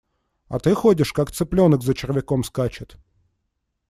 А ты ходишь, как цыпленок за червяком скачет.